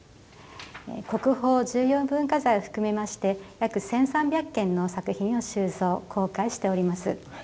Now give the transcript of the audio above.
国宝、重要文化財を含めまして約１３００件の作品を収蔵公開をしております。